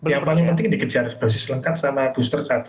yang paling penting dikejar dosis lengkap sama booster satu